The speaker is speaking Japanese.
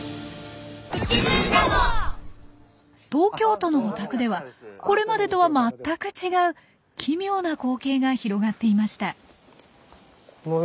東京都のお宅ではこれまでとは全く違う奇妙な光景が広がっていました。